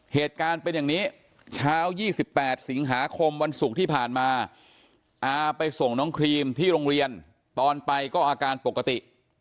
เหตุการณ์เป็นอย่างนี้เช้า๒๘สิงหาคมวันศุกร์ที่ผ่านมาอาไปส่งน้องครีมที่โรงเรียนตอนไปก็อาการปกติ